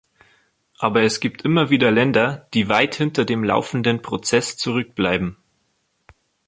Aber es gibt immer wieder Länder, die weit hinter dem laufenden Prozess zurückbleiben.